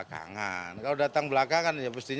jum'at dulu tapi tidak usah dapat sekarang